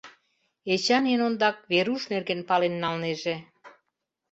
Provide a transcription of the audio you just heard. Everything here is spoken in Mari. Эчан эн ондак Веруш нерген пален налнеже.